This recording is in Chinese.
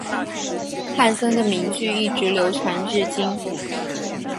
汉森的名句一直流传至今。